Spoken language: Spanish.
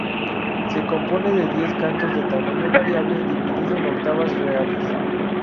Se compone de diez cantos de tamaño variable dividido en octavas reales.